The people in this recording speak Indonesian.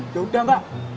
ya udah mbak